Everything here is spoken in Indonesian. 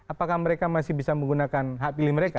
apakah mereka masih bisa menggunakan hak pilih mereka